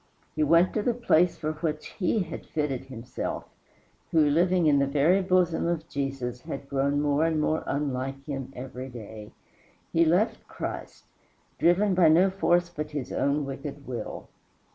He went to the place for which he had fitted himself, who, living in the very bosom of Jesus, had grown more and more unlike him every day. He left Christ driven by no force but his own wicked will.